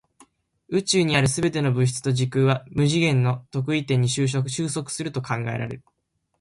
宇宙にある全ての物質と時空は無次元の特異点に収束すると考えられる。